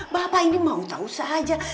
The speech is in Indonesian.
bapak ini mau tahu saja